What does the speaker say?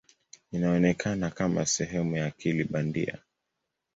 Inaonekana kama sehemu ya akili bandia.